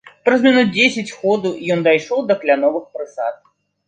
Праз мінут дзесяць ходу ён дайшоў да кляновых прысад.